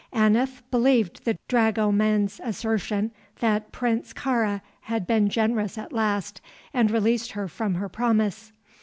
Aneth believed the dragoman's assertion that Prince Kāra had been generous at last and released her from her promise.